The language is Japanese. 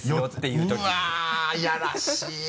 うわぁやらしい。